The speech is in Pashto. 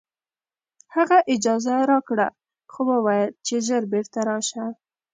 هغه اجازه راکړه خو وویل چې ژر بېرته راشه